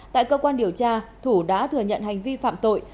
tại cơ quan điều tra thủ đã thừa nhận hành vi phạm tội